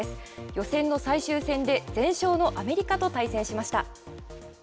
予選の最終戦で全勝のアメリカと対戦しました。